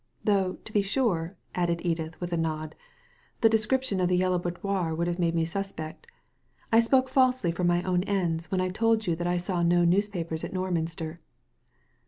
Though, to be sure," added Edith, with a nod, "the description of the Yellow Boudoir would have made me suspect. I spoke falsely for my own ends when I told you that I saw no newspapers at Norminster."